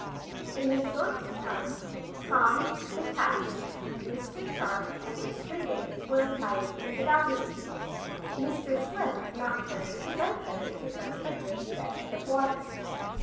In a short time Tom, the captain, Mr. Sharp and Mr. Damon were attired in the diving suits, Mr. Swift not caring to venture into such a great depth of water.